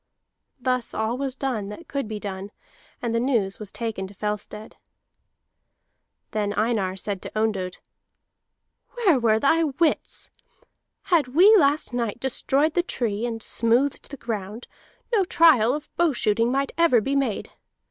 Thus all was done that could be done, and the news was taken to Fellstead. Then Einar said to Ondott: "Where were thy wits? Had we last night destroyed the tree and smoothed the ground, no trial of bow shooting might ever be made.